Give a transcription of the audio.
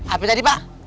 apa tadi pak